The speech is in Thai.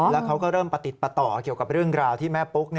แล้วเขาก็เริ่มประติดประต่อเกี่ยวกับเรื่องราวที่แม่ปุ๊ก